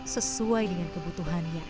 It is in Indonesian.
sesuai dengan kebutuhan kita